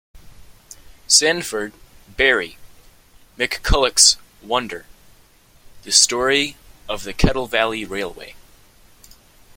Sanford, Barrie "McCulloch's Wonder: The Story of the Kettle Valley Railway"